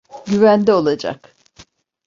Güvende olacak.